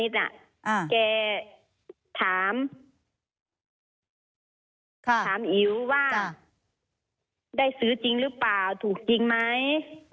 ถามแกถามอิ๋วว่าได้ซื้อจริงหรือเปล่าถูกจริงไหม